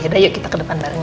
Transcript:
yaudah yuk kita ke depan bareng